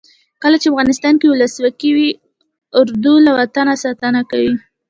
کله چې افغانستان کې ولسواکي وي اردو له وطنه ساتنه کوي.